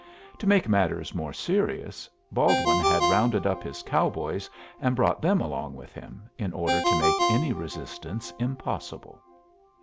To make matters more serious, Baldwin had rounded up his cowboys and brought them along with him, in order to make any resistance impossible.